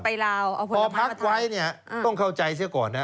พักไว้ต้องเข้าใจเสียก่อน